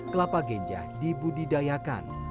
kelapa ganja dibudidayakan